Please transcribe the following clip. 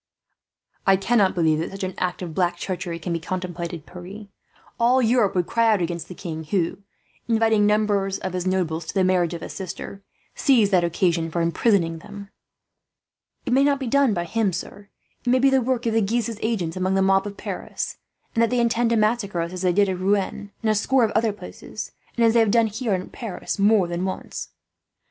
"I cannot believe that such an act of black treachery can be contemplated, Pierre. All Europe would cry out against the king who, inviting numbers of his nobles to the marriage of his sister, seized that occasion for imprisoning them." "It may not be done by him, sir. It may be the work of the Guises' agents among the mob of Paris; and that they intend to massacre us, as they did at Rouen and a score of other places, and as they have done here in Paris more than once."